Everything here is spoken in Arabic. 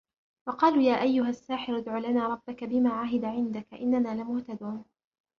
وقالوا يا أيه الساحر ادع لنا ربك بما عهد عندك إننا لمهتدون